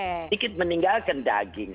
sedikit meninggalkan daging